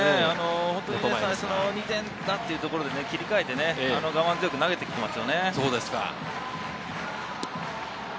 最初２点というので、切り替えて、我慢強く投げていますね。